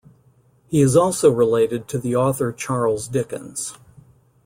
He is also related to the author Charles Dickens.